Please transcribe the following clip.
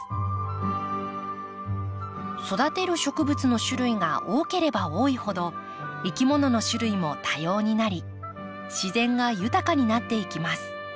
育てる植物の種類が多ければ多いほどいきものの種類も多様になり自然が豊かになっていきます。